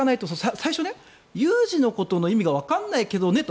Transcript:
最初、有事のことの意味がわからないけどねと。